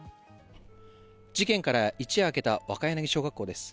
事件から一夜明けた若柳小学校です。